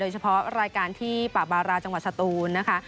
เฉพาะรายการที่ป่าบาราจังหวัดสตูนนะคะ